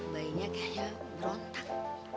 bayinya kayaknya berontak